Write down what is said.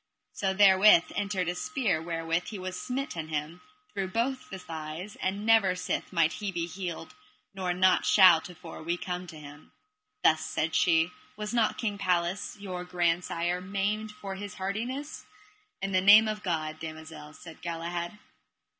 So therewith entered a spear wherewith he was smitten him through both the thighs, and never sith might he be healed, nor nought shall to fore we come to him. Thus, said she, was not King Pelles, your grandsire, maimed for his hardiness? In the name of God, damosel, said Galahad.